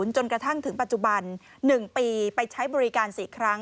จนกระทั่งถึงปัจจุบัน๑ปีไปใช้บริการ๔ครั้ง